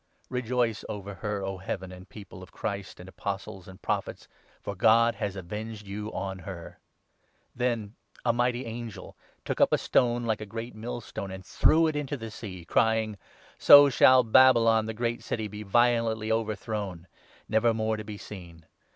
Rejoice 20 over her, O Heaven, and People of Christ, and Apostles, and Prophets, for God has avenged you on her ! Then a mighty angel took up a stone like a great millstone, 21 and threw it into the sea, crying —' So shall Babylon, the Great City, be violently overthrown, never more to be seen.